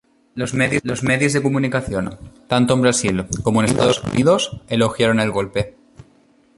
Los medios de comunicación, tanto en Brasil como en Estados Unidos, elogiaron el golpe.